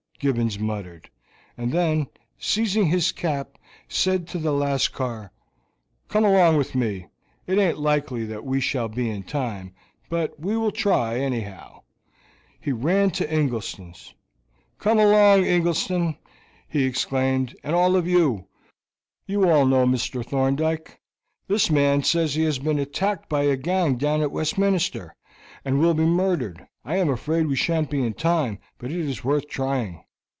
Gibbons muttered, and then, seizing his cap, said to the Lascar, "Come along with me; it aint likely that we shall be in time, but we will try, anyhow." He ran to Ingleston's. "Come along, Ingleston," he exclaimed, "and all of you. You all know Mr. Thorndyke. This man says he has been attacked by a gang down at Westminster, and will be murdered. I am afraid we shan't be in time, but it is worth trying."